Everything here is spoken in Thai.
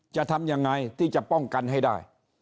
จะทำยังไงที่จะป้องกันให้ได้